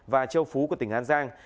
và châu phú của tỉnh an